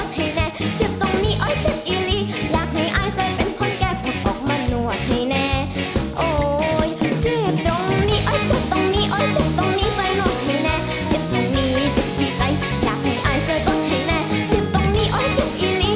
เด็กที่กำลังเสียงกำลังแตก